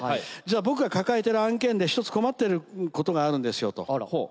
「僕が抱えてる案件で一つ困ってることがあるんですよ」と。